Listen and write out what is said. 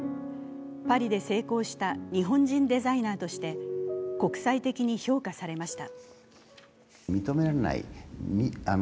パリで成功した日本人デザイナーとして国際的に評価されました。